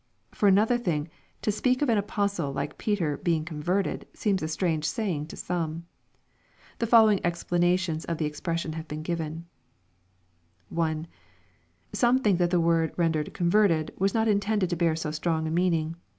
For another thing, to speak of an apostle like Peter being " converted," seems a strange saying to some. The following explanations of the ex pression have been given. 1. Some think that the word rendered "converted" was not intended to bear so strong a meaning.